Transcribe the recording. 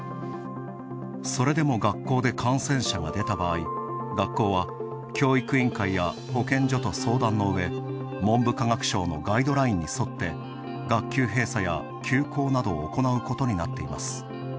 それでも学校で感染者が出た場合学校は教育委員会や保健所と相談のうえ文部科学省のガイドラインに沿って学級閉鎖や休校などを行うことになっています。